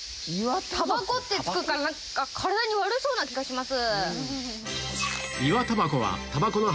タバコって付くから体に悪そうな気がします。